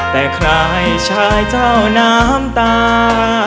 แต่ใครชายเจ้าน้ำตา